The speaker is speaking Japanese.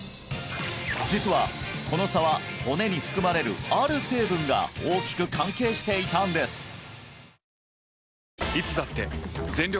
実はこの差は骨に含まれるある成分が大きく関係していたんです